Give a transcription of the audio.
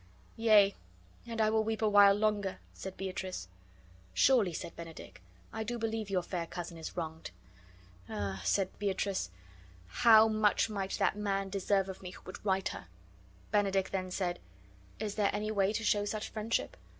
"Yea, and I will weep awhile longer," said Beatrice. "Surely," said. Benedick, "I do believe your fair cousin is wronged." "Ah," said Beatrice, "how much might that man deserve of me who would right her!" Benedick then said: "Is there any way to show such friendship?